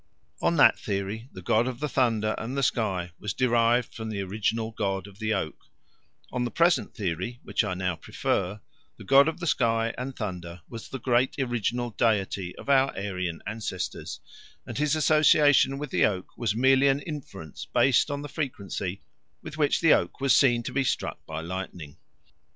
On that theory the god of the thunder and the sky was derived from the original god of the oak; on the present theory, which I now prefer, the god of the sky and the thunder was the great original deity of our Aryan ancestors, and his association with the oak was merely an inference based on the frequency with which the oak was seen to be struck by lightning.